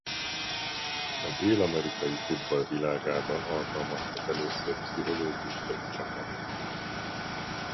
A dél-amerikai futball világában alkalmaztak először pszichológust egy csapatnál.